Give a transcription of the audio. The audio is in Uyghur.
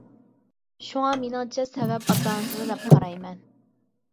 شۇڭا، مېنىڭچە سەۋەب ئاتا-ئانىسىدا دەپ قارايمەن.